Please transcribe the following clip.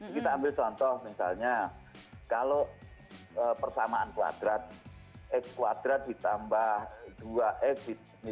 kita ambil contoh misalnya kalau persamaan kuadrat x kuadrat ditambah dua ed